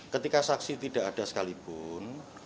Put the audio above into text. ketika saksi tidak ada sekalipun